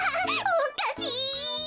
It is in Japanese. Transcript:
おっかしい！